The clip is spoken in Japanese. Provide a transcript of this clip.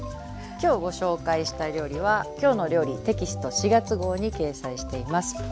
今日ご紹介した料理は「きょうの料理」テキスト４月号に掲載しています。